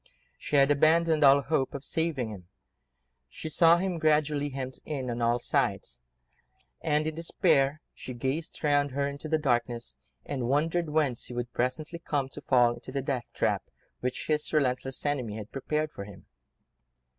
She had abandoned all hope of saving him: she saw him gradually hemmed in on all sides, and, in despair, she gazed round her into the darkness, and wondered whence he would presently come, to fall into the death trap which his relentless enemy had prepared for him.